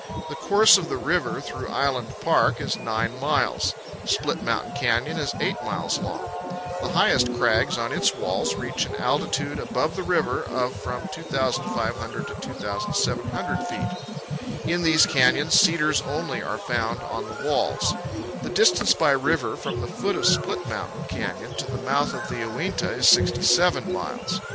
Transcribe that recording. The course of the river through Island Park is 9 miles. Split Mountain Canyon is 8 miles long. The highest crags on its walls reach an altitude above the river of from 2,500 to 2,700 feet. In these canyons cedars only are found on the walls. The distance by river from the foot of Split Mountain Canyon to the mouth of the Uinta is 67 miles.